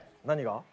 何が？